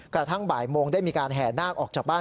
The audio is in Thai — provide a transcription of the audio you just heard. กระทั่งบ่ายโมงได้มีการแห่นาคออกจากบ้าน